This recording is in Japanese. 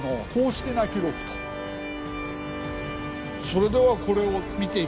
それではこれを見ていただきましょうか。